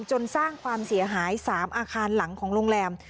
จนสร้างความเสียหาย๓อาคารหลังของโรงแรม